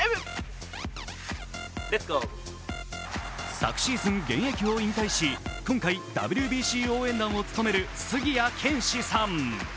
昨シーズン、現役を引退し今回、ＷＢＣ応援団を務める杉谷拳士さん。